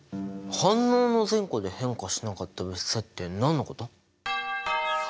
反応の前後で変化しなかった物質って何のこと？